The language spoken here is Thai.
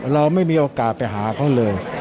เราไม่มีโอกาสไปหาเขาเลย